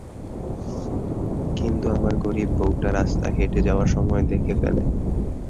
কিন্তু আমার গরীব বউটা রাস্তায় হেটে যাওয়ার সময় দেখে ফেলে।